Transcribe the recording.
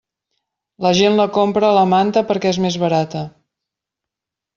La gent la compra a la manta perquè és més barata.